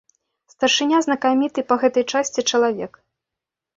Старшыня знакаміты па гэтай часці чалавек.